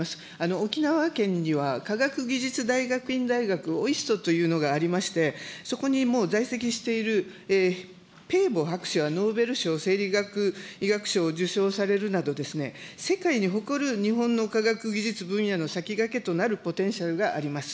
沖縄県には、科学技術大学院大学・というのがありまして、そこにもう在籍している博士がノーベル賞生理学、医学賞を受賞されるなど、世界に誇る日本の科学技術分野の先駆けとなるポテンシャルがあります。